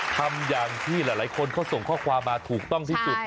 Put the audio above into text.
ทำอย่างที่หลายคนเขาส่งข้อความมาถูกต้องที่สุด